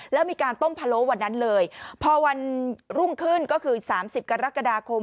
แล้วมีการต้มพะโล้วันนั้นเลยพอวันรุ่งขึ้นก็คือ๓๐กรกฎาคม